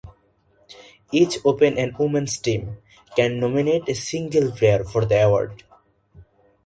Each Open and Women's team can nominate a single player for the award.